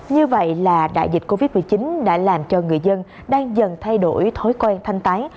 như vậy là đại dịch covid một mươi chín đã làm cho người dân đang dần thay đổi thói quen thanh tái